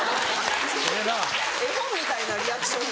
絵本みたいなリアクション。